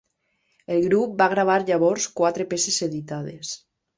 El grup va gravar llavors quatre peces editades.